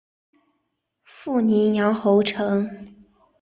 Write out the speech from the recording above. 父宁阳侯陈懋。